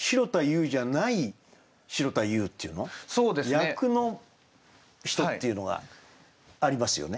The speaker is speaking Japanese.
役の人っていうのがありますよね。